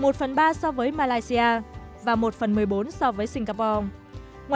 một phần ba so với malaysia và một phần một mươi bốn so với singapore